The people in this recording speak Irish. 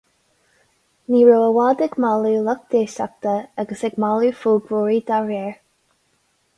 Ní raibh i bhfad ag mealladh lucht éisteachta agus ag mealladh fógróirí dá réir.